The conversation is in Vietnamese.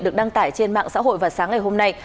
được đăng tải trên mạng xã hội vào sáng ngày hôm nay